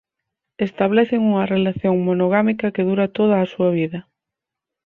Establecen unha relación monogámica que dura toda a súa vida.